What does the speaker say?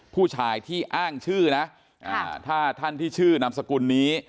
ผู้ชายที่อ้างชื่อนะถ้าท่านที่ชื่อนามสกุลนี้